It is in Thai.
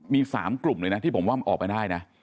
มี๓กลุ่มเลยนะที่ผมว่ามันออกไปได้นะ